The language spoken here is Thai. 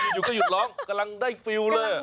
อยู่ก็หยุดร้องกำลังได้ฟิลเลย